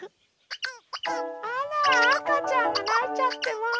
あらあかちゃんがないちゃってまあ。